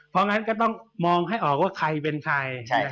เพราะงั้นก็ต้องมองให้ออกว่าใครเป็นใคร